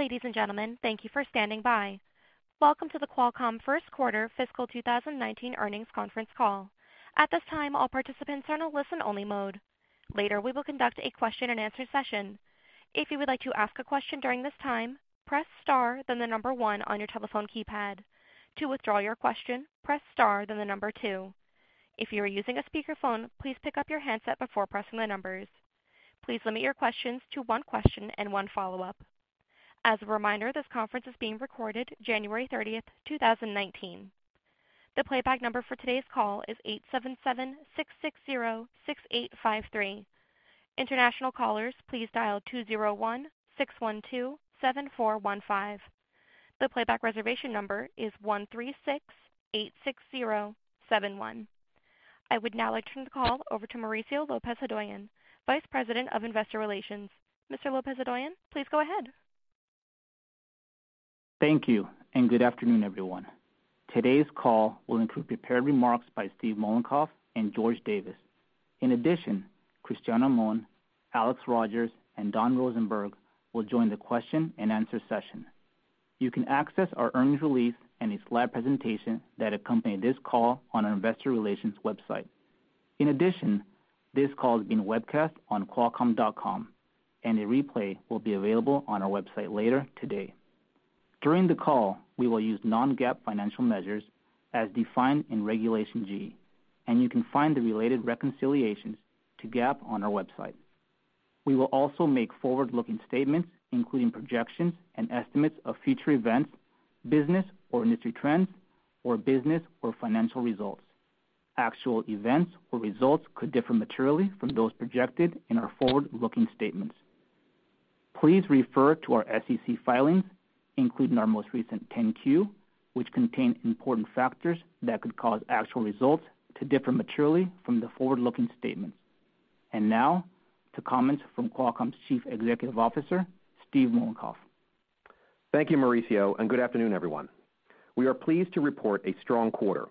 Ladies and gentlemen, thank you for standing by. Welcome to the Qualcomm first quarter fiscal 2019 earnings conference call. At this time, all participants are in a listen-only mode. Later, we will conduct a question-and-answer session. If you would like to ask a question during this time, press star then the number 1 on your telephone keypad. To withdraw your question, press star then the number 2. If you are using a speakerphone, please pick up your handset before pressing the numbers. Please limit your questions to one question and one follow-up. As a reminder, this conference is being recorded January 30th, 2019. The playback number for today's call is 877-660-6853. International callers, please dial 201-612-7415. The playback reservation number is 1-368-6071. I would now like to turn the call over to Mauricio Lopez-Hodoyan, Vice President of Investor Relations. Mr. Lopez-Hodoyan, please go ahead. Thank you, good afternoon, everyone. Today's call will include prepared remarks by Steve Mollenkopf and George Davis. In addition, Cristiano Amon, Alex Rogers, and Don Rosenberg will join the question-and-answer session. You can access our earnings release and a slide presentation that accompany this call on our investor relations website. In addition, this call is being webcast on qualcomm.com, and a replay will be available on our website later today. During the call, we will use non-GAAP financial measures as defined in Regulation G, and you can find the related reconciliations to GAAP on our website. We will also make forward-looking statements, including projections and estimates of future events, business or industry trends, or business or financial results. Actual events or results could differ materially from those projected in our forward-looking statements. Please refer to our SEC filings, including our most recent 10-Q, which contain important factors that could cause actual results to differ materially from the forward-looking statements. Now to comments from Qualcomm's Chief Executive Officer, Steve Mollenkopf. Thank you, Mauricio, good afternoon, everyone. We are pleased to report a strong quarter,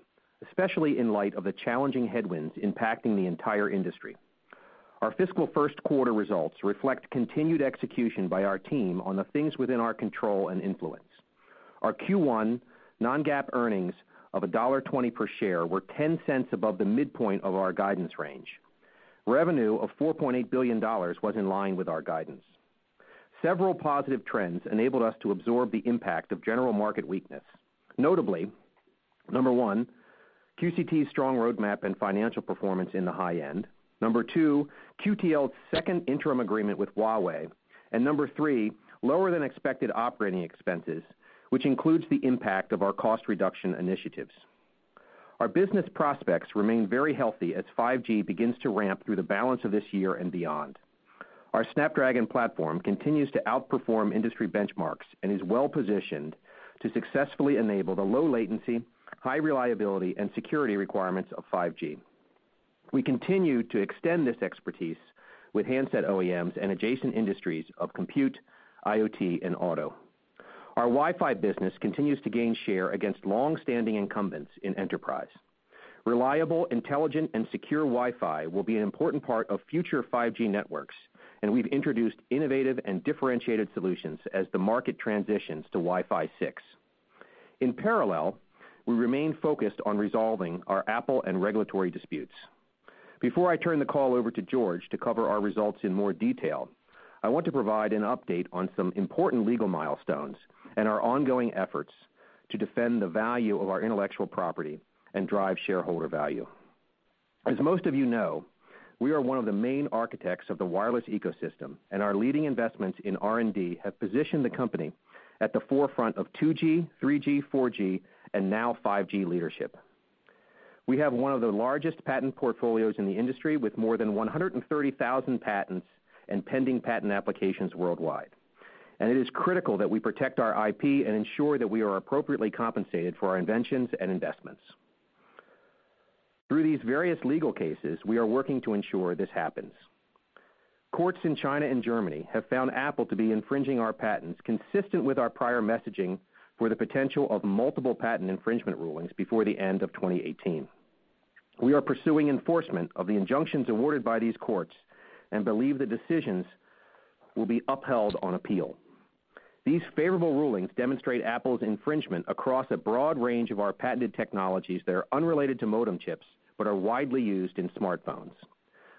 especially in light of the challenging headwinds impacting the entire industry. Our fiscal first quarter results reflect continued execution by our team on the things within our control and influence. Our Q1 non-GAAP earnings of $1.20 per share were $0.10 above the midpoint of our guidance range. Revenue of $4.8 billion was in line with our guidance. Several positive trends enabled us to absorb the impact of general market weakness. Notably, number 1, QCT's strong roadmap and financial performance in the high end. Number 2, QTL's second interim agreement with Huawei. Number 3, lower than expected operating expenses, which includes the impact of our cost reduction initiatives. Our business prospects remain very healthy as 5G begins to ramp through the balance of this year and beyond. Our Snapdragon platform continues to outperform industry benchmarks and is well-positioned to successfully enable the low latency, high reliability, and security requirements of 5G. We continue to extend this expertise with handset OEMs and adjacent industries of compute, IoT, and auto. Our Wi-Fi business continues to gain share against long-standing incumbents in enterprise. Reliable, intelligent, and secure Wi-Fi will be an important part of future 5G networks, and we've introduced innovative and differentiated solutions as the market transitions to Wi-Fi 6. In parallel, we remain focused on resolving our Apple and regulatory disputes. Before I turn the call over to George to cover our results in more detail, I want to provide an update on some important legal milestones and our ongoing efforts to defend the value of our intellectual property and drive shareholder value. As most of you know, we are one of the main architects of the wireless ecosystem, and our leading investments in R&D have positioned the company at the forefront of 2G, 3G, 4G, and now 5G leadership. We have one of the largest patent portfolios in the industry with more than 130,000 patents and pending patent applications worldwide. It is critical that we protect our IP and ensure that we are appropriately compensated for our inventions and investments. Through these various legal cases, we are working to ensure this happens. Courts in China and Germany have found Apple to be infringing our patents consistent with our prior messaging for the potential of multiple patent infringement rulings before the end of 2018. We are pursuing enforcement of the injunctions awarded by these courts and believe the decisions will be upheld on appeal. These favorable rulings demonstrate Apple's infringement across a broad range of our patented technologies that are unrelated to modem chips but are widely used in smartphones.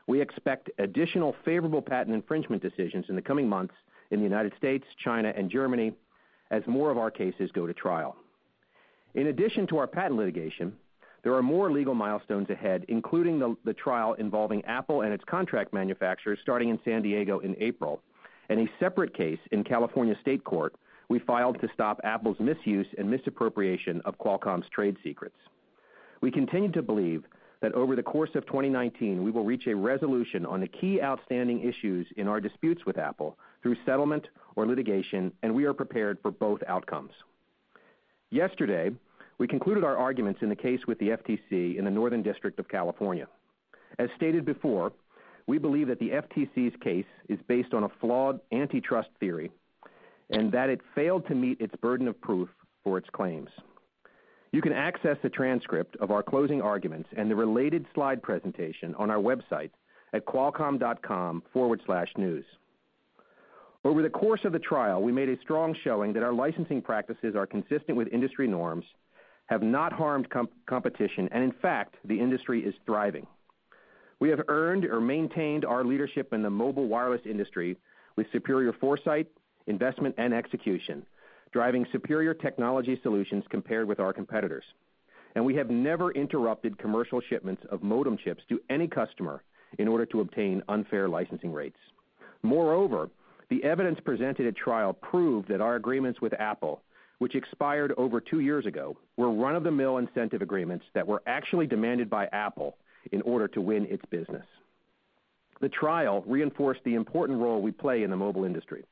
We expect additional favorable patent infringement decisions in the coming months in the U.S., China, and Germany as more of our cases go to trial. In addition to our patent litigation, there are more legal milestones ahead, including the trial involving Apple and its contract manufacturers starting in San Diego in April, and a separate case in California State Court we filed to stop Apple's misuse and misappropriation of Qualcomm's trade secrets. We continue to believe that over the course of 2019, we will reach a resolution on the key outstanding issues in our disputes with Apple through settlement or litigation, and we are prepared for both outcomes. Yesterday, we concluded our arguments in the case with the FTC in the Northern District of California. As stated before, we believe that the FTC's case is based on a flawed antitrust theory and that it failed to meet its burden of proof for its claims. You can access the transcript of our closing arguments and the related slide presentation on our website at qualcomm.com/news. Over the course of the trial, we made a strong showing that our licensing practices are consistent with industry norms, have not harmed competition, and in fact, the industry is thriving. We have earned or maintained our leadership in the mobile wireless industry with superior foresight, investment, and execution, driving superior technology solutions compared with our competitors. We have never interrupted commercial shipments of modem chips to any customer in order to obtain unfair licensing rates. Moreover, the evidence presented at trial proved that our agreements with Apple, which expired over two years ago, were run-of-the-mill incentive agreements that were actually demanded by Apple in order to win its business. The trial reinforced the important role we play in the mobile industry.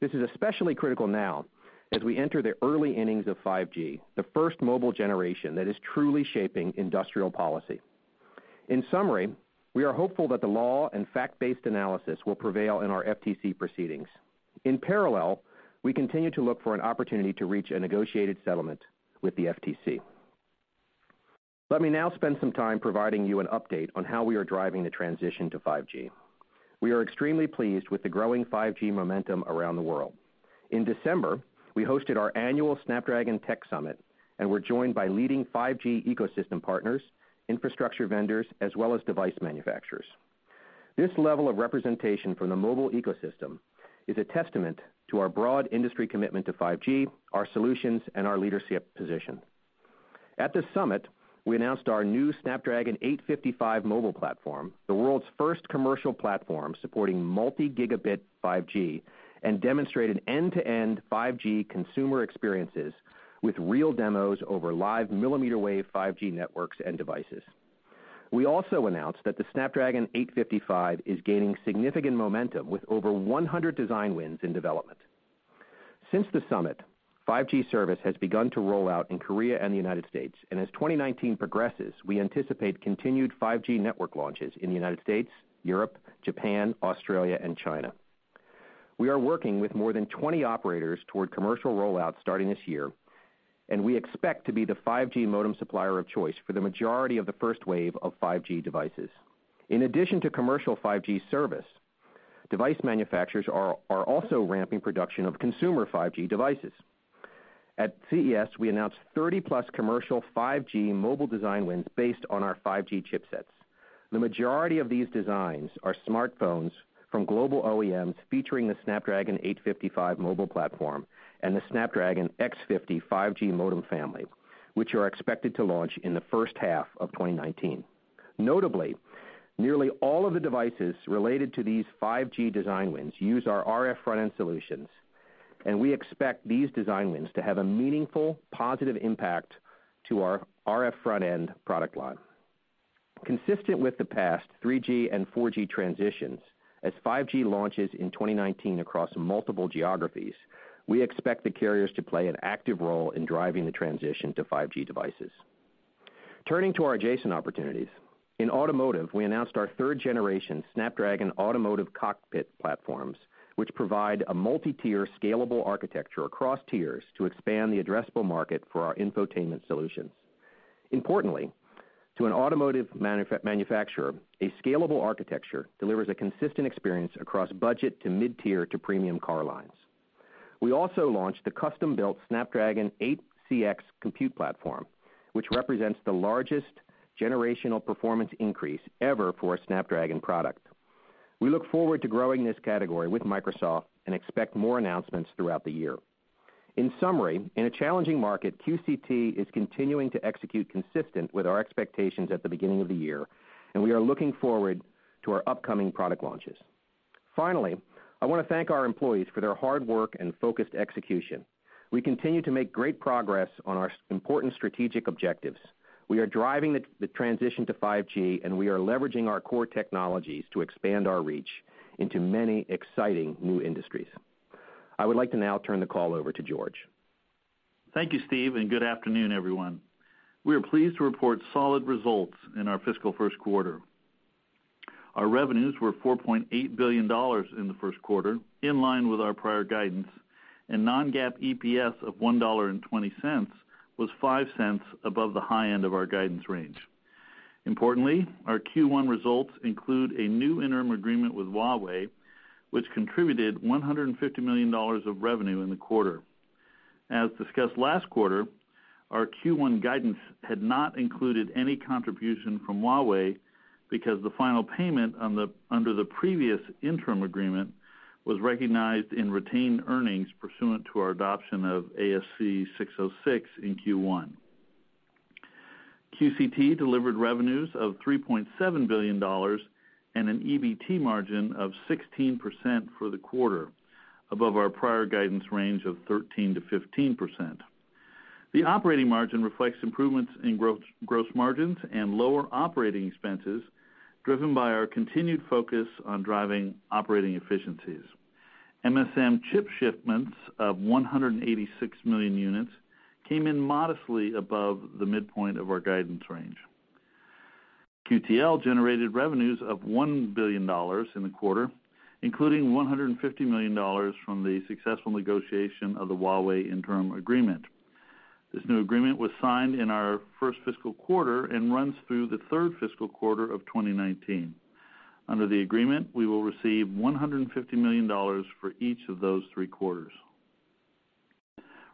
This is especially critical now as we enter the early innings of 5G, the first mobile generation that is truly shaping industrial policy. In summary, we are hopeful that the law and fact-based analysis will prevail in our FTC proceedings. In parallel, we continue to look for an opportunity to reach a negotiated settlement with the FTC. Let me now spend some time providing you an update on how we are driving the transition to 5G. We are extremely pleased with the growing 5G momentum around the world. In December, we hosted our annual Snapdragon Tech Summit, and were joined by leading 5G ecosystem partners, infrastructure vendors, as well as device manufacturers. This level of representation from the mobile ecosystem is a testament to our broad industry commitment to 5G, our solutions, and our leadership position. At the summit, we announced our new Snapdragon 855 mobile platform, the world's first commercial platform supporting multi-gigabit 5G, and demonstrated end-to-end 5G consumer experiences with real demos over live millimeter wave 5G networks and devices. We also announced that the Snapdragon 855 is gaining significant momentum with over 100 design wins in development. Since the summit, 5G service has begun to roll out in Korea and the U.S., and as 2019 progresses, we anticipate continued 5G network launches in the U.S., Europe, Japan, Australia, and China. We are working with more than 20 operators toward commercial rollout starting this year, and we expect to be the 5G modem supplier of choice for the majority of the first wave of 5G devices. In addition to commercial 5G service, device manufacturers are also ramping production of consumer 5G devices. At CES, we announced 30-plus commercial 5G mobile design wins based on our 5G chipsets. The majority of these designs are smartphones from global OEMs featuring the Snapdragon 855 mobile platform and the Snapdragon X50 5G modem family, which are expected to launch in the first half of 2019. Notably, nearly all of the devices related to these 5G design wins use our RF front-end solutions, and we expect these design wins to have a meaningful, positive impact to our RF front-end product line. Consistent with the past 3G and 4G transitions, as 5G launches in 2019 across multiple geographies, we expect the carriers to play an active role in driving the transition to 5G devices. Turning to our adjacent opportunities. In automotive, we announced our third generation Snapdragon Automotive Cockpit platforms, which provide a multi-tier scalable architecture across tiers to expand the addressable market for our infotainment solutions. Importantly, to an automotive manufacturer, a scalable architecture delivers a consistent experience across budget to mid-tier to premium car lines. We also launched the custom-built Snapdragon 8cx compute platform, which represents the largest generational performance increase ever for a Snapdragon product. We look forward to growing this category with Microsoft and expect more announcements throughout the year. In summary, in a challenging market, QCT is continuing to execute consistent with our expectations at the beginning of the year, and we are looking forward to our upcoming product launches. Finally, I want to thank our employees for their hard work and focused execution. We continue to make great progress on our important strategic objectives. We are driving the transition to 5G, and we are leveraging our core technologies to expand our reach into many exciting new industries. I would like to now turn the call over to George. Thank you, Steve, and good afternoon, everyone. We are pleased to report solid results in our fiscal first quarter. Our revenues were $4.8 billion in the first quarter, in line with our prior guidance, and non-GAAP EPS of $1.20 was $0.05 above the high end of our guidance range. Importantly, our Q1 results include a new interim agreement with Huawei, which contributed $150 million of revenue in the quarter. As discussed last quarter, our Q1 guidance had not included any contribution from Huawei because the final payment under the previous interim agreement was recognized in retained earnings pursuant to our adoption of ASC 606 in Q1. QCT delivered revenues of $3.7 billion and an EBT margin of 16% for the quarter, above our prior guidance range of 13%-15%. The operating margin reflects improvements in gross margins and lower operating expenses, driven by our continued focus on driving operating efficiencies. MSM chip shipments of 186 million units came in modestly above the midpoint of our guidance range. QTL generated revenues of $1 billion in the quarter, including $150 million from the successful negotiation of the Huawei interim agreement. This new agreement was signed in our first fiscal quarter and runs through the third fiscal quarter of 2019. Under the agreement, we will receive $150 million for each of those three quarters.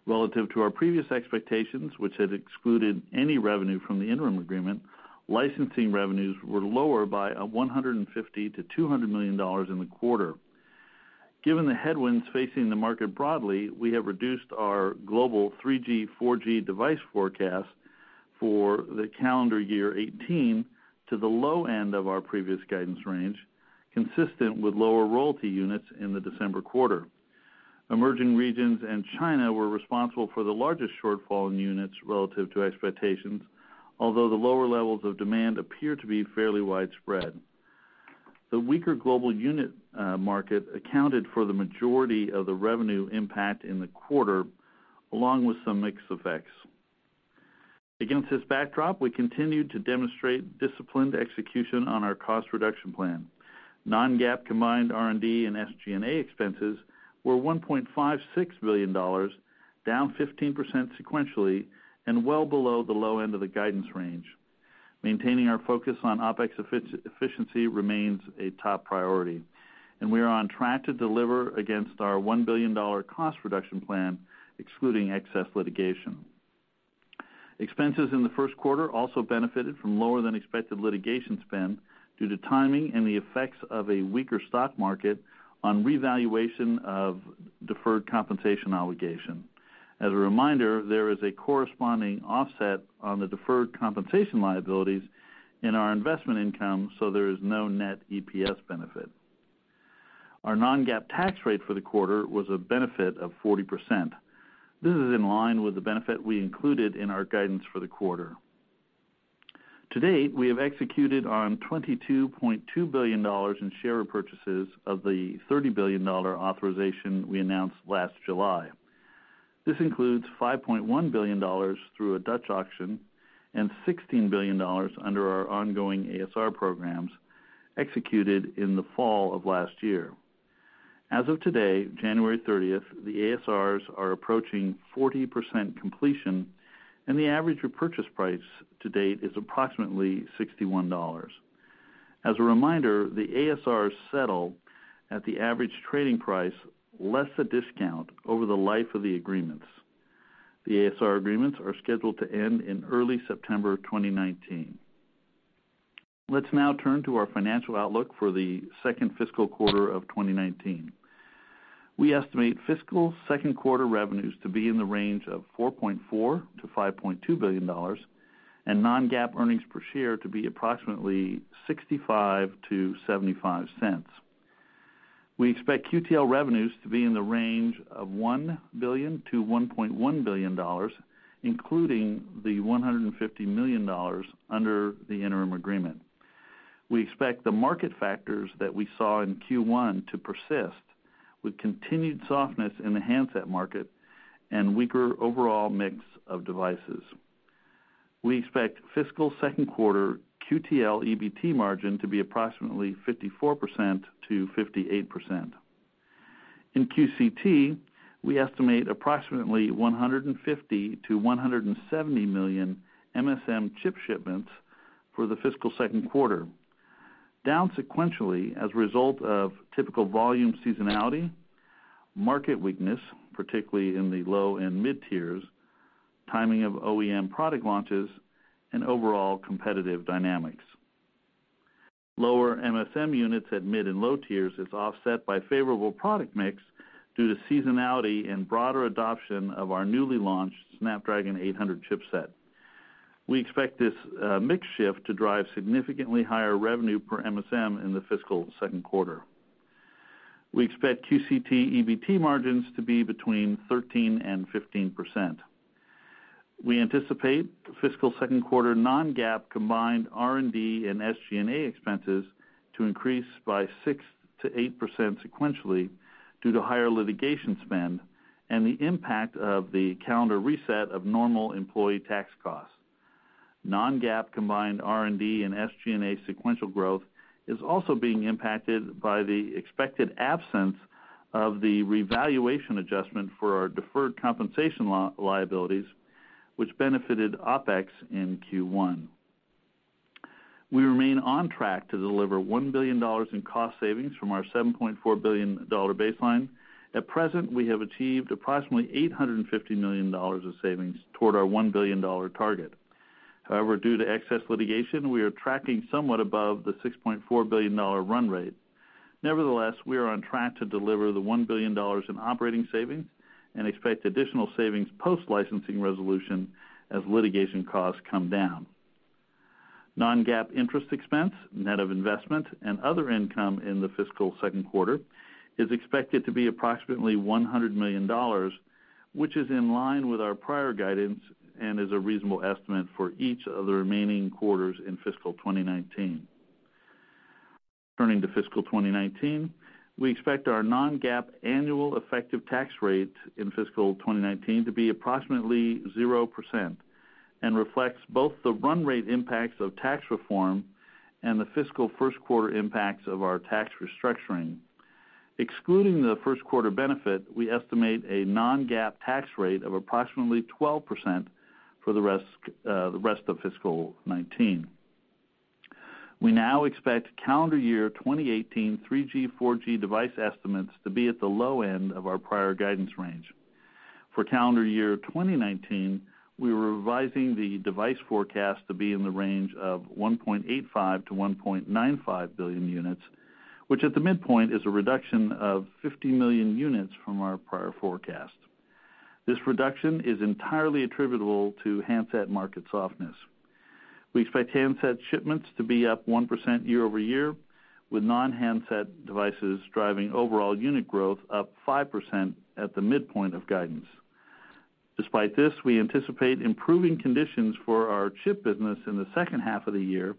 Relative to our previous expectations, which had excluded any revenue from the interim agreement, licensing revenues were lower by a $150 million-$200 million in the quarter. Given the headwinds facing the market broadly, we have reduced our global 3G, 4G device forecast for the calendar year 2018 to the low end of our previous guidance range, consistent with lower royalty units in the December quarter. Emerging regions and China were responsible for the largest shortfall in units relative to expectations, although the lower levels of demand appear to be fairly widespread. The weaker global unit market accounted for the majority of the revenue impact in the quarter, along with some mix effects. Against this backdrop, we continued to demonstrate disciplined execution on our cost reduction plan. Non-GAAP combined R&D and SG&A expenses were $1.56 billion, down 15% sequentially and well below the low end of the guidance range. Maintaining our focus on OpEx efficiency remains a top priority, and we are on track to deliver against our $1 billion cost reduction plan, excluding excess litigation. Expenses in the first quarter also benefited from lower than expected litigation spend due to timing and the effects of a weaker stock market on revaluation of deferred compensation obligation. As a reminder, there is a corresponding offset on the deferred compensation liabilities in our investment income, there is no net EPS benefit. Our non-GAAP tax rate for the quarter was a benefit of 40%. This is in line with the benefit we included in our guidance for the quarter. To date, we have executed on $22.2 billion in share repurchases of the $30 billion authorization we announced last July. This includes $5.1 billion through a Dutch auction and $16 billion under our ongoing ASR programs executed in the fall of last year. As of today, January 30th, the ASRs are approaching 40% completion, and the average repurchase price to date is approximately $61. As a reminder, the ASRs settle at the average trading price, less a discount over the life of the agreements. The ASR agreements are scheduled to end in early September 2019. Let's now turn to our financial outlook for the second fiscal quarter of 2019. We estimate fiscal second quarter revenues to be in the range of $4.4 billion-$5.2 billion and non-GAAP earnings per share to be approximately $0.65-$0.75. We expect QTL revenues to be in the range of $1 billion-$1.1 billion, including the $150 million under the interim agreement. We expect the market factors that we saw in Q1 to persist, with continued softness in the handset market and weaker overall mix of devices. We expect fiscal second quarter QTL EBT margin to be approximately 54%-58%. In QCT, we estimate approximately 150 million-170 million MSM chip shipments for the fiscal second quarter, down sequentially as a result of typical volume seasonality, market weakness, particularly in the low and mid-tiers, timing of OEM product launches, and overall competitive dynamics. Lower MSM units at mid and low tiers is offset by favorable product mix due to seasonality and broader adoption of our newly launched Snapdragon 800 chipset. We expect this mix shift to drive significantly higher revenue per MSM in the fiscal second quarter. We expect QCT EBT margins to be between 13% and 15%. We anticipate fiscal second quarter non-GAAP combined R&D and SG&A expenses to increase by 6%-8% sequentially due to higher litigation spend and the impact of the calendar reset of normal employee tax costs. Non-GAAP combined R&D and SG&A sequential growth is also being impacted by the expected absence of the revaluation adjustment for our deferred compensation liabilities, which benefited OpEx in Q1. We remain on track to deliver $1 billion in cost savings from our $7.4 billion baseline. At present, we have achieved approximately $850 million of savings toward our $1 billion target. Due to excess litigation, we are tracking somewhat above the $6.4 billion run rate. Nevertheless, we are on track to deliver the $1 billion in operating savings and expect additional savings post-licensing resolution as litigation costs come down. Non-GAAP interest expense, net of investment and other income in the fiscal second quarter is expected to be approximately $100 million, which is in line with our prior guidance and is a reasonable estimate for each of the remaining quarters in fiscal 2019. We expect our non-GAAP annual effective tax rate in fiscal 2019 to be approximately 0%, reflects both the run rate impacts of tax reform and the fiscal first quarter impacts of our tax restructuring. Excluding the first quarter benefit, we estimate a non-GAAP tax rate of approximately 12% for the rest of fiscal 2019. We now expect calendar year 2018 3G, 4G device estimates to be at the low end of our prior guidance range. For calendar year 2019, we're revising the device forecast to be in the range of 1.85 billion-1.95 billion units, which at the midpoint, is a reduction of 50 million units from our prior forecast. This reduction is entirely attributable to handset market softness. We expect handset shipments to be up 1% year-over-year, with non-handset devices driving overall unit growth up 5% at the midpoint of guidance. Despite this, we anticipate improving conditions for our chip business in the second half of the year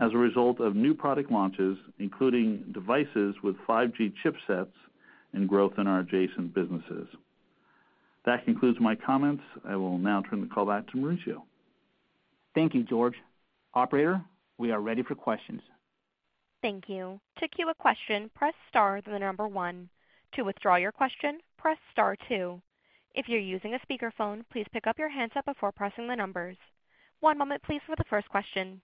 as a result of new product launches, including devices with 5G chipsets and growth in our adjacent businesses. That concludes my comments. I will now turn the call back to Mauricio. Thank you, George. Operator, we are ready for questions. Thank you. To queue a question, press star, then the number 1. To withdraw your question, press star 2. If you're using a speakerphone, please pick up your handset before pressing the numbers. One moment please for the first question.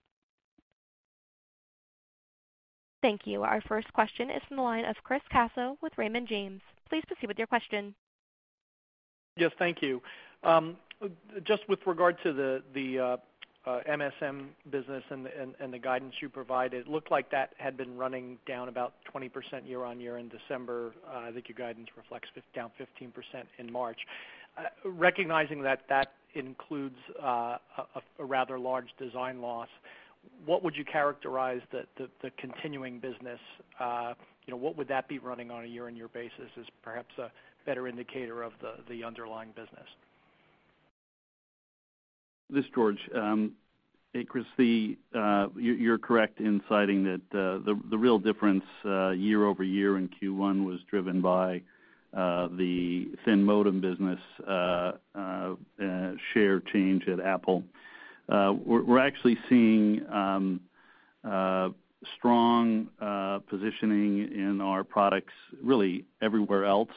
Thank you. Our first question is from the line of Chris Caso with Raymond James. Please proceed with your question. Yes, thank you. Just with regard to the MSM business and the guidance you provided, looked like that had been running down about 20% year-on-year in December. I think your guidance reflects down 15% in March. Recognizing that includes a rather large design loss, what would you characterize the continuing business, what would that be running on a year-on-year basis as perhaps a better indicator of the underlying business? This is George. Hey, Chris. You're correct in citing that the real difference year-over-year in Q1 was driven by the thin modem business share change at Apple. We're actually seeing strong positioning in our products really everywhere else.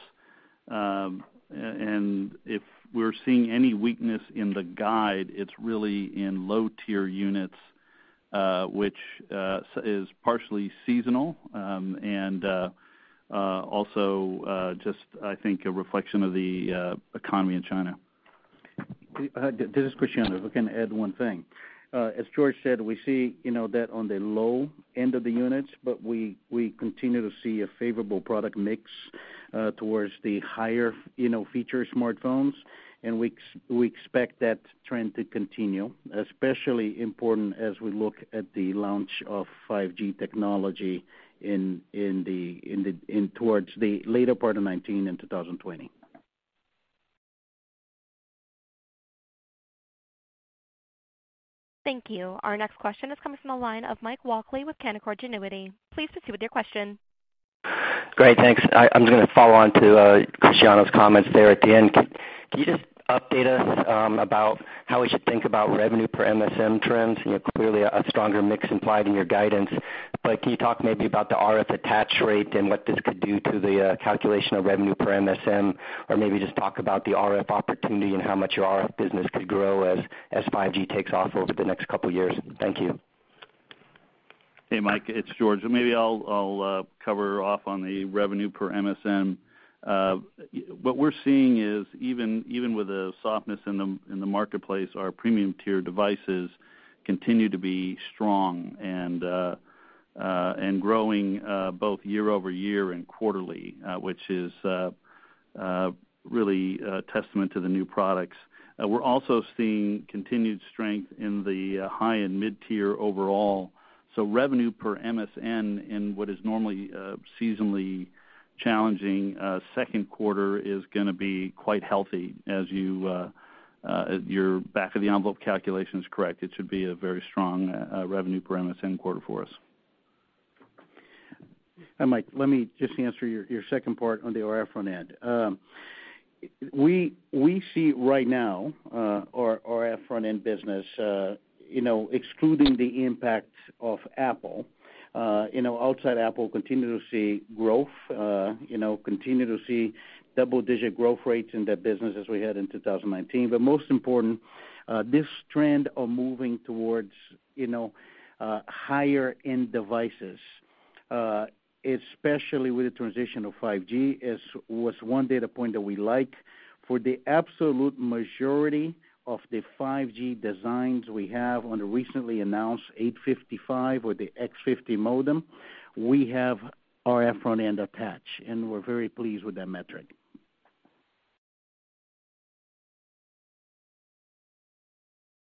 If we're seeing any weakness in the guide, it's really in low-tier units, which is partially seasonal, and also just, I think, a reflection of the economy in China. This is Cristiano. If I can add one thing. As George said, we see that on the low end of the units, but we continue to see a favorable product mix towards the higher feature smartphones, and we expect that trend to continue, especially important as we look at the launch of 5G technology towards the later part of 2019 and 2020. Thank you. Our next question is coming from the line of Mike Walkley with Canaccord Genuity. Please proceed with your question. Great. Thanks. I'm just going to follow on to Cristiano's comments there at the end. Can you just update us about how we should think about revenue per MSM trends? Clearly, a stronger mix implied in your guidance, but can you talk maybe about the RF attach rate and what this could do to the calculation of revenue per MSM? Or maybe just talk about the RF opportunity and how much your RF business could grow as 5G takes off over the next couple of years. Thank you. Hey, Mike, it's George. Maybe I'll cover off on the revenue per MSM. What we're seeing is even with the softness in the marketplace, our premium-tier devices continue to be strong and growing both year-over-year and quarterly, which is really a testament to the new products. We're also seeing continued strength in the high and mid-tier overall. Revenue per MSM in what is normally a seasonally challenging second quarter is going to be quite healthy, as your back of the envelope calculation is correct. It should be a very strong revenue per MSM quarter for us. Mike, let me just answer your second part on the RF front-end. We see right now our RF front-end business excluding the impact of Apple, outside Apple, continue to see growth, continue to see double-digit growth rates in that business as we had in 2019. Most important, this trend of moving towards higher-end devices, especially with the transition of 5G, was one data point that we like. For the absolute majority of the 5G designs we have on the recently announced 855 or the X50 modem, we have RF front-end attached, and we're very pleased with that metric.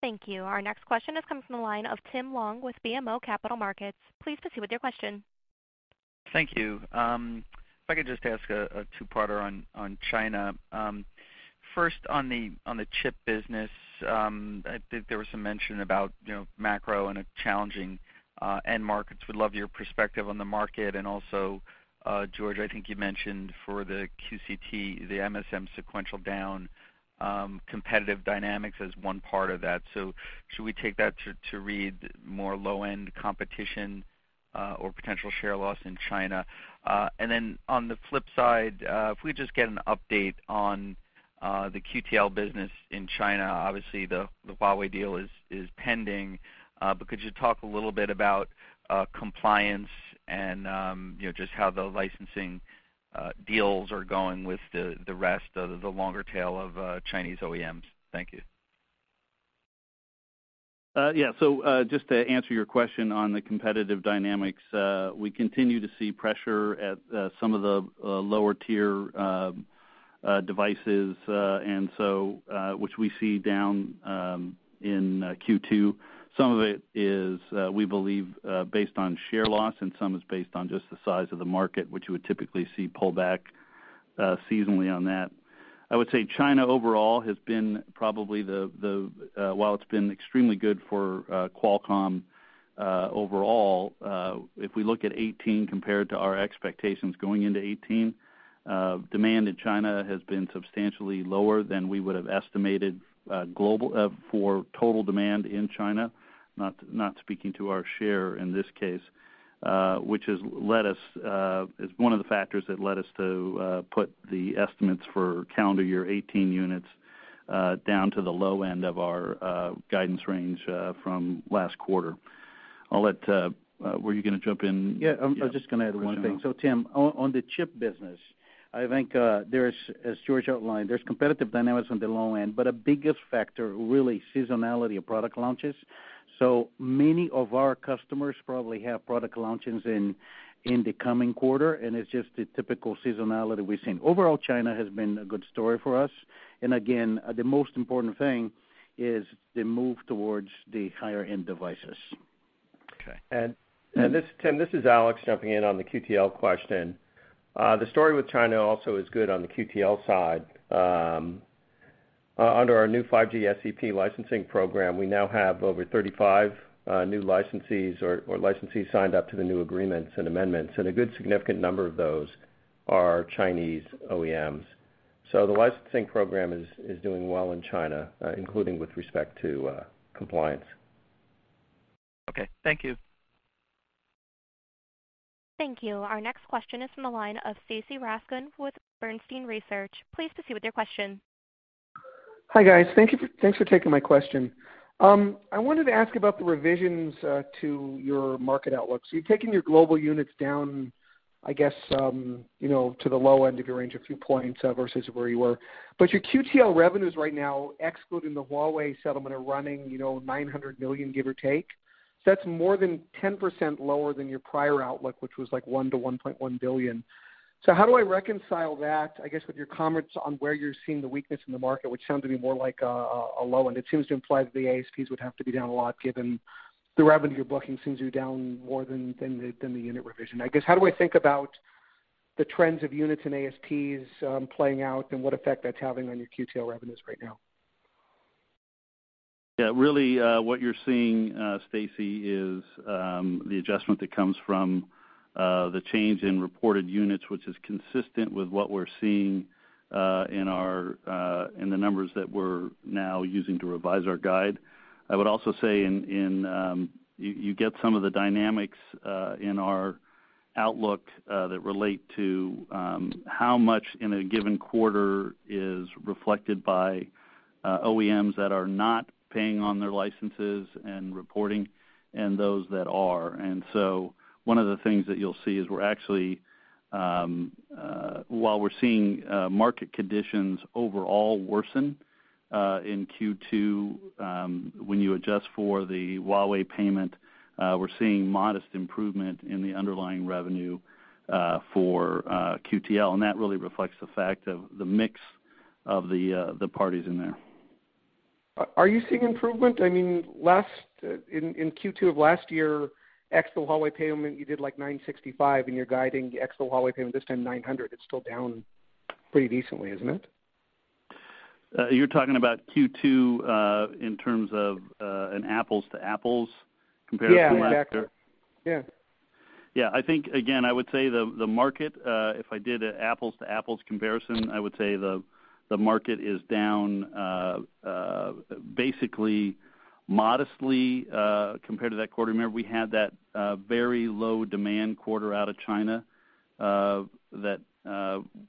Thank you. Our next question is coming from the line of Tim Long with BMO Capital Markets. Please proceed with your question. Thank you. If I could just ask a two-parter on China. First, on the chip business, I think there was some mention about macro and challenging end markets. Would love your perspective on the market, and also, George, I think you mentioned for the QCT, the MSM sequential down competitive dynamics as one part of that. Should we take that to read more low-end competition or potential share loss in China? On the flip side, if we just get an update on the QTL business in China. Obviously, the Huawei deal is pending, but could you talk a little bit about compliance and just how the licensing deals are going with the rest of the longer tail of Chinese OEMs? Thank you. Yeah. Just to answer your question on the competitive dynamics, we continue to see pressure at some of the lower-tier devices, and so which we see down in Q2. Some of it is, we believe, based on share loss, and some is based on just the size of the market, which you would typically see pull back seasonally on that. I would say China overall has been probably the-- While it's been extremely good for Qualcomm overall, if we look at 2018 compared to our expectations going into 2018, demand in China has been substantially lower than we would have estimated for total demand in China, not speaking to our share in this case, which is one of the factors that led us to put the estimates for calendar year 2018 units down to the low end of our guidance range from last quarter. Were you going to jump in? Yeah, I'm just going to add one thing. Tim, on the chip business, I think as George outlined, there's competitive dynamics on the low end, but a biggest factor, really, seasonality of product launches. Many of our customers probably have product launches in the coming quarter, and it's just the typical seasonality we've seen. Overall, China has been a good story for us. Again, the most important thing is the move towards the higher-end devices. Okay. Tim, this is Alex jumping in on the QTL question. The story with China also is good on the QTL side. Under our new 5G SEP licensing program, we now have over 35 new licensees or licensees signed up to the new agreements and amendments, a good significant number of those are Chinese OEMs. The licensing program is doing well in China, including with respect to compliance. Okay. Thank you. Thank you. Our next question is from the line of Stacy Rasgon with Bernstein Research. Please proceed with your question. Hi, guys. Thanks for taking my question. I wanted to ask about the revisions to your market outlook. You're taking your global units down, I guess, to the low end of your range a few points versus where you were. Your QTL revenues right now, excluding the Huawei settlement, are running $900 million, give or take. That's more than 10% lower than your prior outlook, which was like $1 billion-$1.1 billion. How do I reconcile that, I guess, with your comments on where you're seeing the weakness in the market, which sound to be more like a low end? It seems to imply that the ASPs would have to be down a lot given the revenue you're booking seems you're down more than the unit revision. I guess, how do I think about the trends of units and ASPs playing out and what effect that's having on your QTL revenues right now? Yeah, really, what you're seeing, Stacy, is the adjustment that comes from the change in reported units, which is consistent with what we're seeing in the numbers that we're now using to revise our guide. I would also say, you get some of the dynamics in our outlook that relate to how much in a given quarter is reflected by OEMs that are not paying on their licenses and reporting and those that are. One of the things that you'll see is we're actually, while we're seeing market conditions overall worsen in Q2, when you adjust for the Huawei payment, we're seeing modest improvement in the underlying revenue for QTL, and that really reflects the fact of the mix of the parties in there. Are you seeing improvement? In Q2 of last year, ex the Huawei payment, you did like $965, and you're guiding ex the Huawei payment this time $900. It's still down pretty decently, isn't it? You're talking about Q2 in terms of an apples-to-apples comparison from last year? Yeah. Yeah. I think, again, I would say the market, if I did an apples-to-apples comparison, I would say the market is down basically modestly compared to that quarter. Remember, we had that very low demand quarter out of China that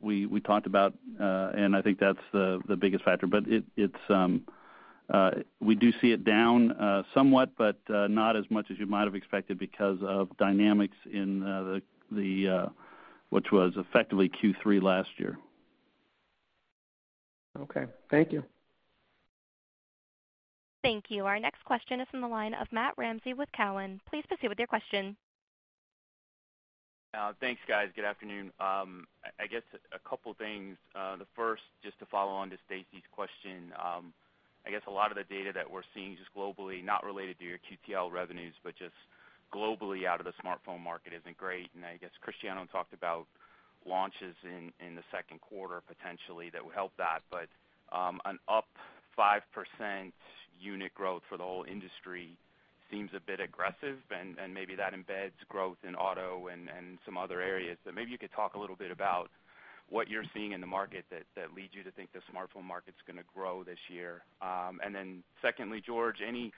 we talked about, and I think that's the biggest factor. We do see it down somewhat, but not as much as you might have expected because of dynamics in which was effectively Q3 last year. Okay. Thank you. Thank you. Our next question is from the line of Matt Ramsay with Cowen. Please proceed with your question. Thanks, guys. Good afternoon. I guess a couple things. The first, just to follow on to Stacy's question. I guess a lot of the data that we're seeing just globally, not related to your QTL revenues, but just globally out of the smartphone market isn't great. I guess Cristiano talked about launches in the second quarter potentially that would help that. An up 5% unit growth for the whole industry seems a bit aggressive, and maybe that embeds growth in auto and some other areas. Maybe you could talk a little bit about what you're seeing in the market that leads you to think the smartphone market's going to grow this year. Secondly, George, any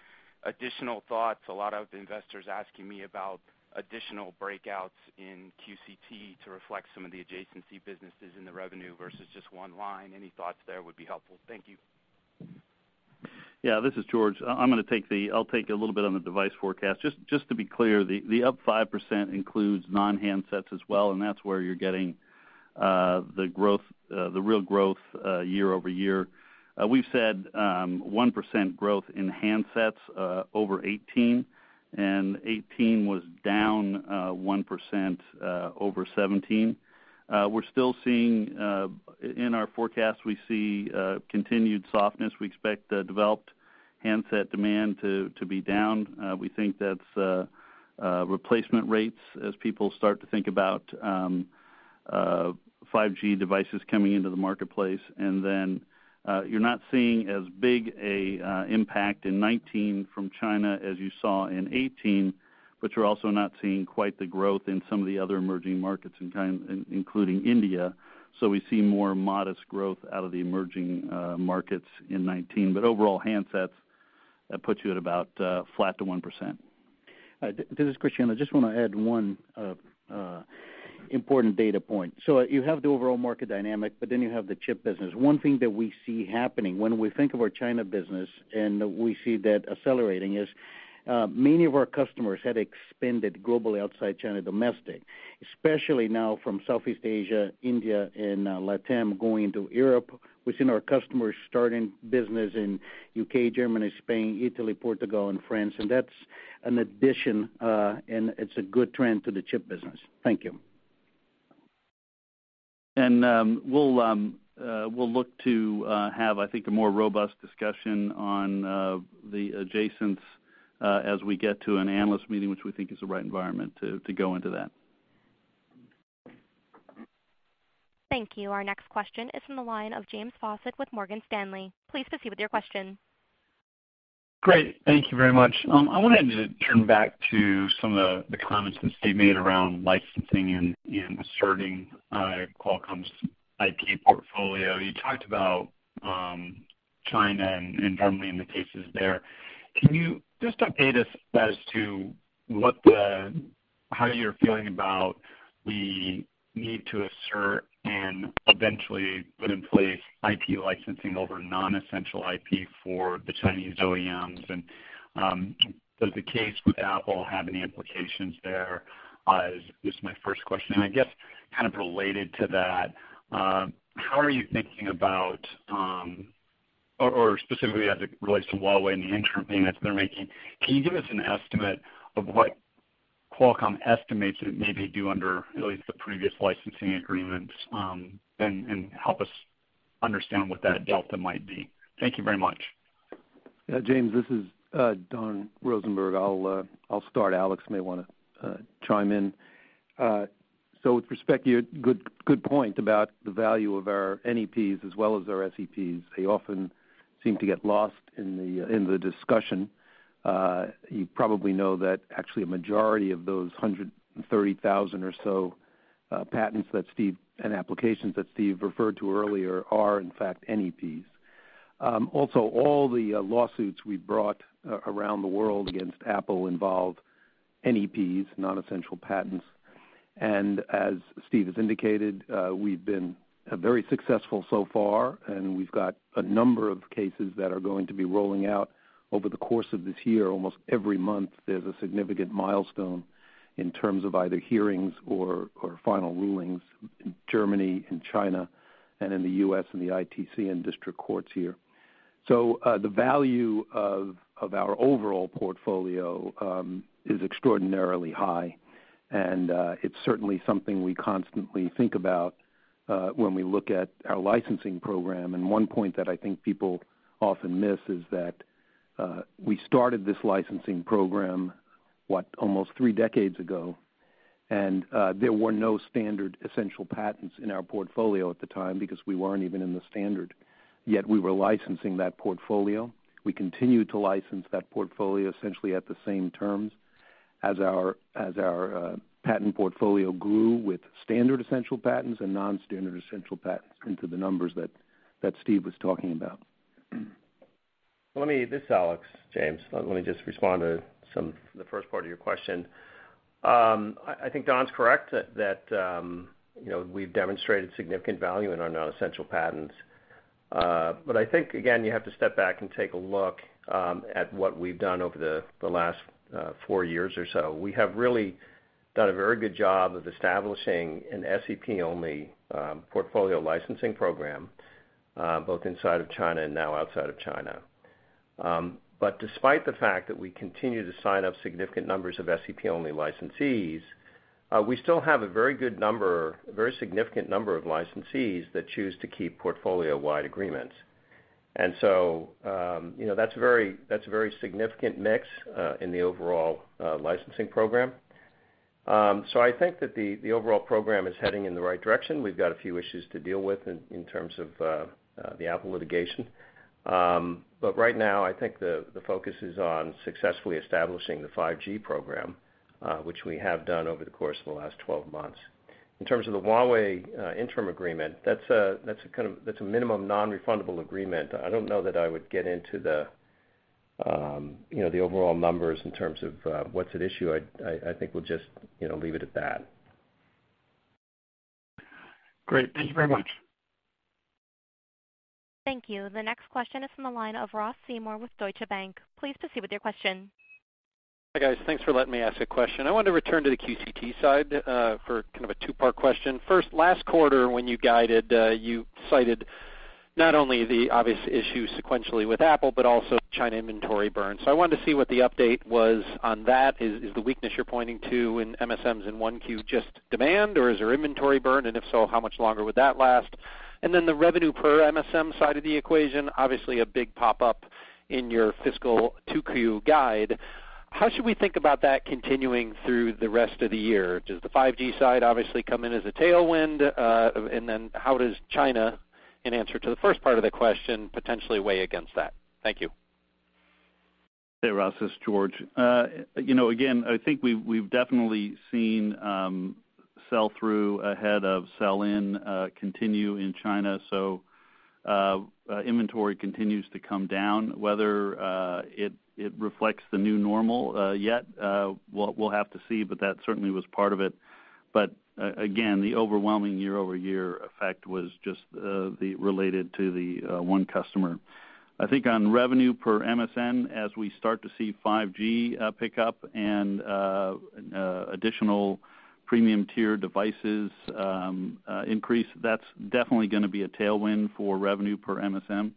additional thoughts? A lot of investors asking me about additional breakouts in QCT to reflect some of the adjacency businesses in the revenue versus just one line. Any thoughts there would be helpful. Thank you. Yeah, this is George. I'm going to take a little bit on the device forecast. Just to be clear, the up 5% includes non-handsets as well, and that's where you're getting the real growth year-over-year. We've said 1% growth in handsets over 2018, and 2018 was down 1% over 2017. In our forecast, we see continued softness. We expect developed handset demand to be down. We think that's replacement rates as people start to think about 5G devices coming into the marketplace. You're not seeing as big an impact in 2019 from China as you saw in 2018, but you're also not seeing quite the growth in some of the other emerging markets, including India. We see more modest growth out of the emerging markets in 2019. Overall handsets, that puts you at about flat to 1%. This is Cristiano. I just want to add one important data point. You have the overall market dynamic, but then you have the chip business. One thing that we see happening when we think of our China business, and we see that accelerating, is many of our customers have expanded globally outside China domestic, especially now from Southeast Asia, India, and LatAm going into Europe. We're seeing our customers starting business in U.K., Germany, Spain, Italy, Portugal, and France. That's an addition, and it's a good trend to the chip business. Thank you. We'll look to have, I think, a more robust discussion on the adjacents as we get to an analyst meeting, which we think is the right environment to go into that. Thank you. Our next question is from the line of James Fawcett with Morgan Stanley. Please proceed with your question. Great. Thank you very much. I wanted to turn back to some of the comments that Steve made around licensing and asserting Qualcomm's IP portfolio. You talked about China and Germany and the cases there. Can you just update us as to how you're feeling about the need to assert and eventually put in place IP licensing over non-essential IP for the Chinese OEMs, and does the case with Apple have any implications there? This is my first question. I guess kind of related to that, how are you thinking about, or specifically as it relates to Huawei and the interim payments they're making, can you give us an estimate of what Qualcomm estimates that it may be due under at least the previous licensing agreements, and help us understand what that delta might be? Thank you very much. Yeah, James, this is Don Rosenberg. I'll start. Alex may want to chime in. With respect to your good point about the value of our NEPs as well as our SEPs, they often seem to get lost in the discussion. You probably know that actually a majority of those 130,000 or so patents and applications that Steve referred to earlier are in fact NEPs. Also, all the lawsuits we brought around the world against Apple involve NEPs, non-essential patents. As Steve has indicated, we've been very successful so far, and we've got a number of cases that are going to be rolling out over the course of this year. Almost every month, there's a significant milestone in terms of either hearings or final rulings in Germany, in China, and in the U.S. and the ITC and district courts here. The value of our overall portfolio is extraordinarily high, and it's certainly something we constantly think about when we look at our licensing program. One point that I think people often miss is that we started this licensing program, what, almost three decades ago, and there were no standard essential patents in our portfolio at the time because we weren't even in the standard, yet we were licensing that portfolio. We continued to license that portfolio essentially at the same terms as our patent portfolio grew with standard essential patents and non-standard essential patents into the numbers that Steve was talking about. This is Alex, James. Let me just respond to the first part of your question. I think Don's correct that we've demonstrated significant value in our non-essential patents. I think, again, you have to step back and take a look at what we've done over the last four years or so. We have really done a very good job of establishing an SEP-only portfolio licensing program, both inside of China and now outside of China. Despite the fact that we continue to sign up significant numbers of SEP-only licensees We still have a very good number, a very significant number of licensees that choose to keep portfolio-wide agreements. That's a very significant mix in the overall licensing program. I think that the overall program is heading in the right direction. We've got a few issues to deal with in terms of the Apple litigation. Right now, I think the focus is on successfully establishing the 5G program, which we have done over the course of the last 12 months. In terms of the Huawei interim agreement, that's a minimum nonrefundable agreement. I don't know that I would get into the overall numbers in terms of what's at issue. I think we'll just leave it at that. Great. Thank you very much. Thank you. The next question is from the line of Ross Seymore with Deutsche Bank. Please proceed with your question. Hi, guys. Thanks for letting me ask a question. I wanted to return to the QCT side for kind of a two-part question. First, last quarter when you guided, you cited not only the obvious issue sequentially with Apple, but also China inventory burn. I wanted to see what the update was on that. Is the weakness you're pointing to in MSMs in 1Q just demand, or is there inventory burn? If so, how much longer would that last? The revenue per MSM side of the equation, obviously a big pop-up in your fiscal 2Q guide. How should we think about that continuing through the rest of the year? Does the 5G side obviously come in as a tailwind? How does China, in answer to the first part of the question, potentially weigh against that? Thank you. Hey, Ross, this is George. Again, I think we've definitely seen sell-through ahead of sell-in continue in China, so inventory continues to come down. Whether it reflects the new normal yet, we'll have to see, but that certainly was part of it. Again, the overwhelming year-over-year effect was just related to the one customer. I think on revenue per MSM, as we start to see 5G pick up and additional premium-tier devices increase, that's definitely going to be a tailwind for revenue per MSM.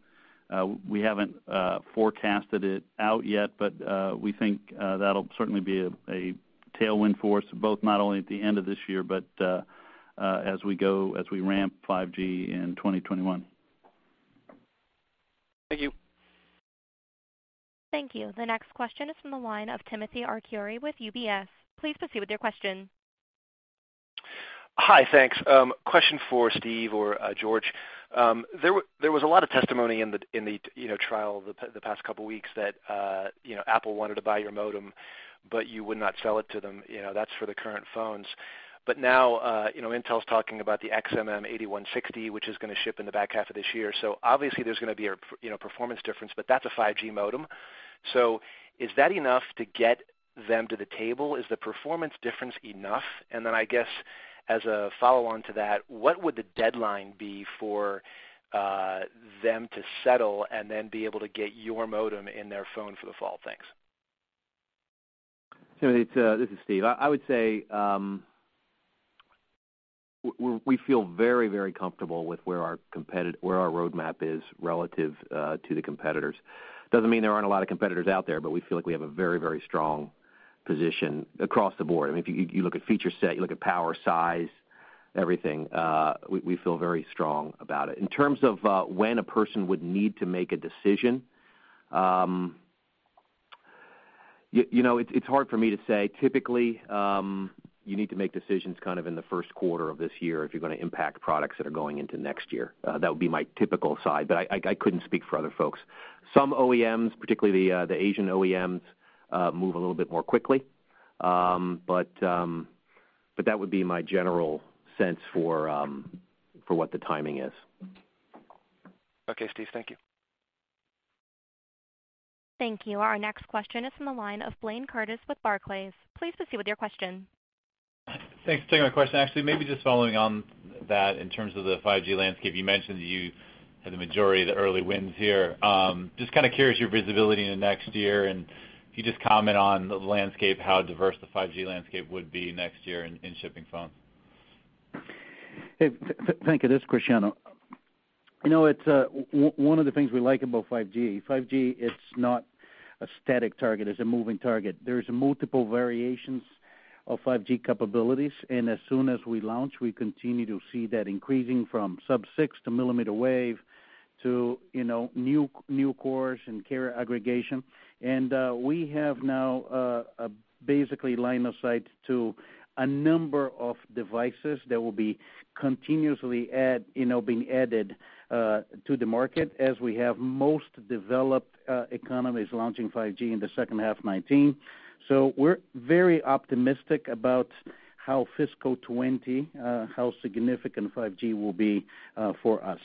We haven't forecasted it out yet, but we think that'll certainly be a tailwind for us, both not only at the end of this year, but as we ramp 5G in 2021. Thank you. Thank you. The next question is from the line of Timothy Arcuri with UBS. Please proceed with your question. Hi, thanks. Question for Steve or George. There was a lot of testimony in the trial the past couple of weeks that Apple wanted to buy your modem, but you would not sell it to them. That's for the current phones. Now Intel's talking about the XMM 8160, which is going to ship in the back half of this year. Obviously there's going to be a performance difference, but that's a 5G modem. Is that enough to get them to the table? Is the performance difference enough? I guess as a follow-on to that, what would the deadline be for them to settle and then be able to get your modem in their phone for the fall? Thanks. Timothy, this is Steve. I would say we feel very comfortable with where our roadmap is relative to the competitors. Doesn't mean there aren't a lot of competitors out there, we feel like we have a very strong position across the board. If you look at feature set, you look at power, size, everything, we feel very strong about it. In terms of when a person would need to make a decision, it's hard for me to say. Typically, you need to make decisions kind of in the first quarter of this year if you're going to impact products that are going into next year. That would be my typical side, but I couldn't speak for other folks. Some OEMs, particularly the Asian OEMs, move a little bit more quickly. That would be my general sense for what the timing is. Okay, Steve. Thank you. Thank you. Our next question is from the line of Blayne Curtis with Barclays. Please proceed with your question. Thanks for taking my question. Actually, maybe just following on that in terms of the 5G landscape. You mentioned you had the majority of the early wins here. Just kind of curious your visibility into next year, and can you just comment on the landscape, how diverse the 5G landscape would be next year in shipping phones? Hey, Blayne. Good. This is Cristiano Amon. One of the things we like about 5G it's not a static target, it's a moving target. There's multiple variations of 5G capabilities. As soon as we launch, we continue to see that increasing from sub-6 to millimeter wave to new cores and carrier aggregation. We have now basically line of sight to a number of devices that will be continuously being added to the market as we have most developed economies launching 5G in the second half 2019. We're very optimistic about how fiscal 2020, how significant 5G will be for us.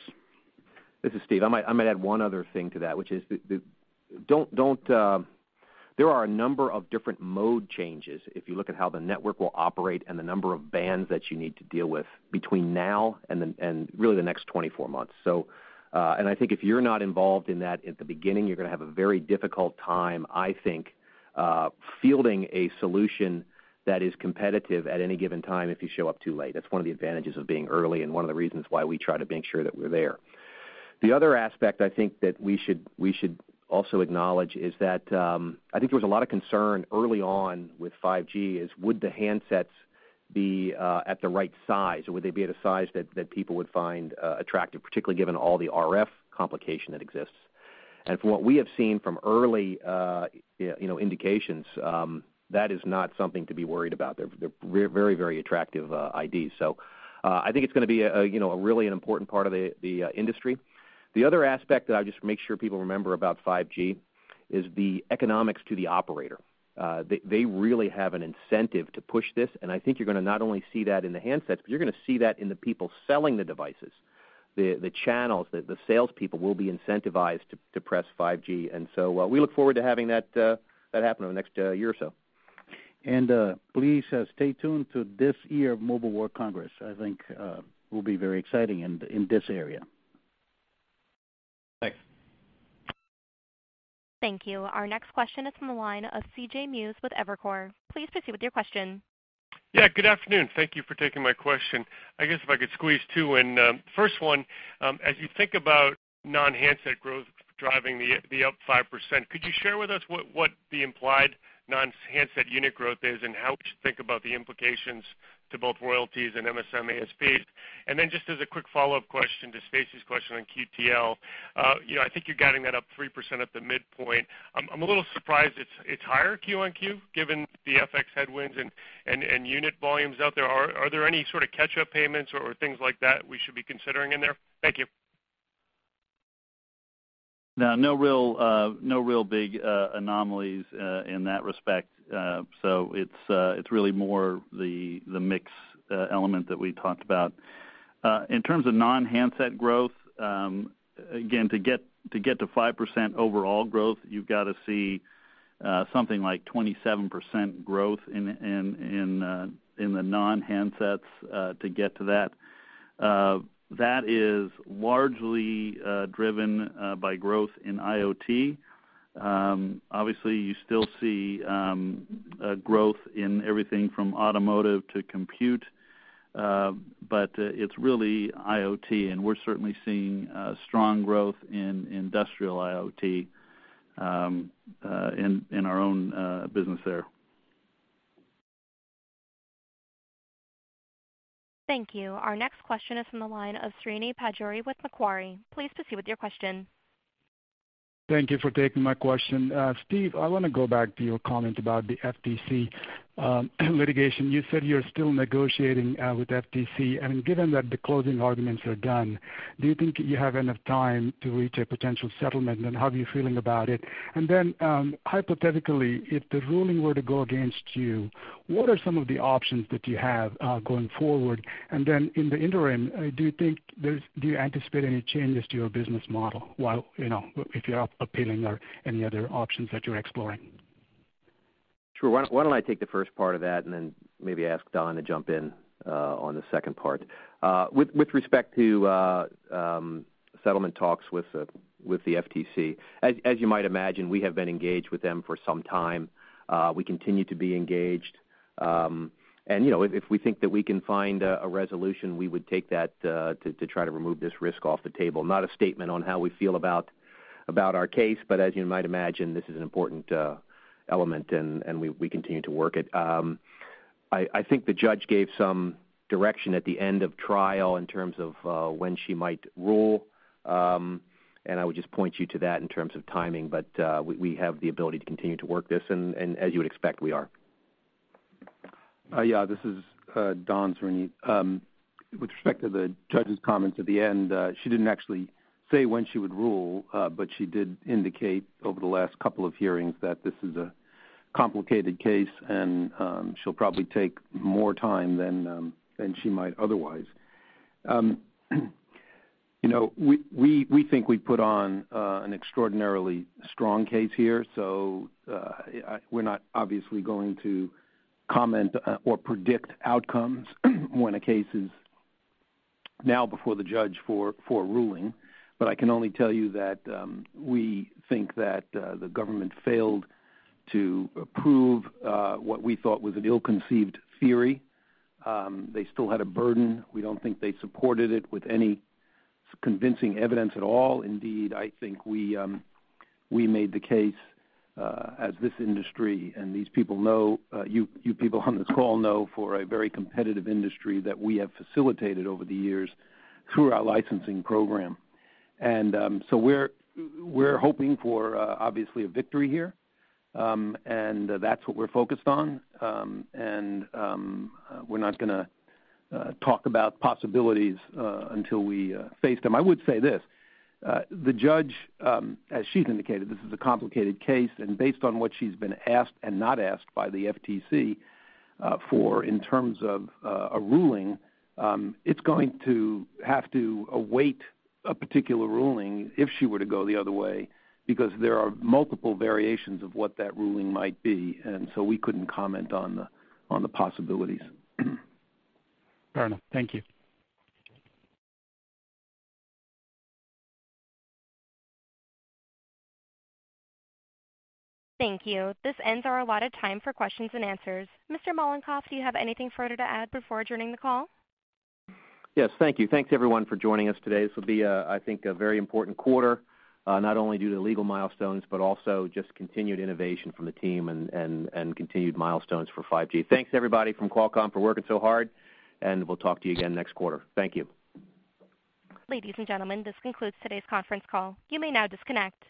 This is Steve. I might add one other thing to that, which is there are a number of different mode changes if you look at how the network will operate and the number of bands that you need to deal with between now and really the next 24 months. I think if you're not involved in that at the beginning, you're going to have a very difficult time, I think, fielding a solution that is competitive at any given time if you show up too late. That's one of the advantages of being early and one of the reasons why we try to make sure that we're there. The other aspect I think that we should also acknowledge is that, I think there was a lot of concern early on with 5G is would the handsets be at the right size, or would they be at a size that people would find attractive, particularly given all the RF complication that exists. From what we have seen from early indications, that is not something to be worried about. They're very attractive IDs. I think it's going to be a really an important part of the industry. The other aspect that I just make sure people remember about 5G is the economics to the operator. They really have an incentive to push this, and I think you're going to not only see that in the handsets, but you're going to see that in the people selling the devices, the channels, the salespeople will be incentivized to press 5G. We look forward to having that happen over the next year or so. Please stay tuned to this year of Mobile World Congress. I think will be very exciting in this area. Thanks. Thank you. Our next question is from the line of C.J. Muse with Evercore. Please proceed with your question. Good afternoon. Thank you for taking my question. I guess if I could squeeze two in. First one, as you think about non-handset growth driving the up 5%, could you share with us what the implied non-handset unit growth is and how we should think about the implications to both royalties and MSM ASPs? Just as a quick follow-up question to Stacy's question on QTL, I think you're guiding that up 3% at the midpoint. I'm a little surprised it's higher Q on Q, given the FX headwinds and unit volumes out there. Are there any sort of catch-up payments or things like that we should be considering in there? Thank you. No real big anomalies in that respect. It's really more the mix element that we talked about. In terms of non-handset growth, again, to get to 5% overall growth, you've got to see something like 27% growth in the non-handsets to get to that. That is largely driven by growth in IoT. Obviously, you still see growth in everything from automotive to compute. It's really IoT, and we're certainly seeing strong growth in industrial IoT in our own business there. Thank you. Our next question is from the line of Srini Pajjuri with Macquarie. Please proceed with your question. Thank you for taking my question. Steve, I want to go back to your comment about the FTC litigation. You said you're still negotiating with FTC, given that the closing arguments are done, do you think you have enough time to reach a potential settlement, how are you feeling about it? Hypothetically, if the ruling were to go against you, what are some of the options that you have going forward? In the interim, do you anticipate any changes to your business model if you're appealing or any other options that you're exploring? Sure. Why don't I take the first part of that and then maybe ask Don to jump in on the second part. With respect to settlement talks with the FTC, as you might imagine, we have been engaged with them for some time. We continue to be engaged. If we think that we can find a resolution, we would take that to try to remove this risk off the table. Not a statement on how we feel about our case, as you might imagine, this is an important element, we continue to work it. I think the judge gave some direction at the end of trial in terms of when she might rule, I would just point you to that in terms of timing. We have the ability to continue to work this, as you would expect, we are. This is Don, Srini. With respect to the judge's comments at the end, she didn't actually say when she would rule, but she did indicate over the last couple of hearings that this is a complicated case, and she'll probably take more time than she might otherwise. We think we put on an extraordinarily strong case here. We're not obviously going to comment or predict outcomes when a case is now before the judge for ruling. I can only tell you that we think that the government failed to prove what we thought was an ill-conceived theory. They still had a burden. We don't think they supported it with any convincing evidence at all. Indeed, I think we made the case as this industry and these people know, you people on this call know for a very competitive industry that we have facilitated over the years through our licensing program. We're hoping for, obviously, a victory here. That's what we're focused on. We're not gonna talk about possibilities until we face them. I would say this. The judge, as she's indicated, this is a complicated case, and based on what she's been asked and not asked by the FTC for, in terms of a ruling, it's going to have to await a particular ruling if she were to go the other way because there are multiple variations of what that ruling might be. We couldn't comment on the possibilities. Fair enough. Thank you. Thank you. This ends our allotted time for questions and answers. Mr. Mollenkopf, do you have anything further to add before adjourning the call? Yes, thank you. Thanks everyone for joining us today. This will be, I think, a very important quarter, not only due to legal milestones, but also just continued innovation from the team and continued milestones for 5G. Thanks everybody from Qualcomm for working so hard, and we'll talk to you again next quarter. Thank you. Ladies and gentlemen, this concludes today's conference call. You may now disconnect.